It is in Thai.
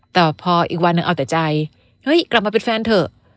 แต่พออีกวันหนึ่งเอาแต่ใจเฮ้ยกลับมาเป็นแฟนเถอะ